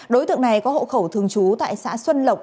đối tượng này có hộ khẩu thường trú tại xã xuân lộc